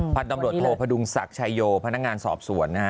โปรดโทษพดุงศักดิ์ชายโยพนักงานสอบสวน